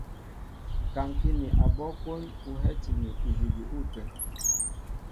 Kaŋkí mi abɔ́ kwón ú hɛ́ti mi idʉdʉ ôteŋ.